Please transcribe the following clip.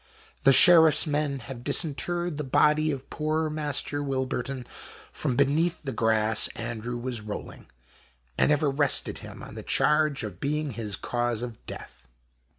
The Sheriff's men have disinterred the body of poor Master W. from beneath the grass Andrew was 15 &HOST TALES. rolling, and have arrested him on the charge of being his cause of death.